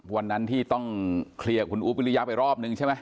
วันนั้นที่ต้องเคลียร์กับคุณอุ๊บวิริยะไปรอบนึงใช่ไหม